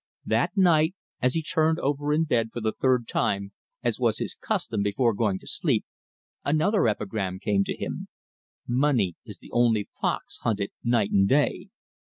That night, as he turned over in bed for the third time, as was his custom before going to sleep, another epigram came to him "Money is the only fox hunted night and day."